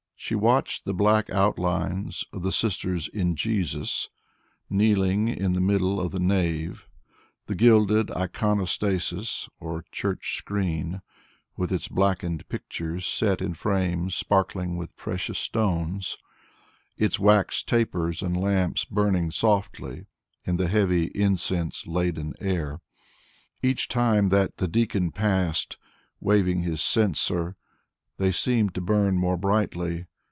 She watched the black outlines of the "Sisters in Jesus" kneeling in the middle of the nave, the gilded "iconostasis" or church screen with its blackened pictures set in frames sparkling with precious stones, its wax tapers and lamps burning softly in the heavy incense laden air. Each time that the deacon passed, waving his censer, they seemed to burn more brightly.